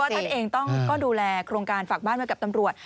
เพราะว่าท่านเองต้องดูแลโครงการฝากบ้านมากับตำรวจ